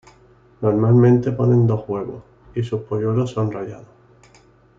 Normalmente ponen dos huevos, y sus polluelos son rayados.